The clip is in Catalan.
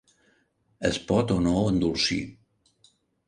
Es pot o no endolcir.